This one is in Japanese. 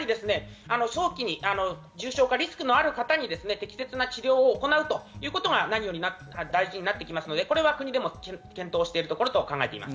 早期に重症化リスクのある方に適切な治療を行うということが何より大事になってきますので、これは我が国でも検討しているところと思います。